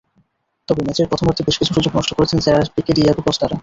তবে ম্যাচের প্রথমার্ধে বেশ কিছু সুযোগ নষ্ট করেছেন জেরার্ড পিকে-ডিয়েগো কস্তারা।